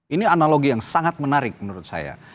ini analogi yang sangat menarik menurut saya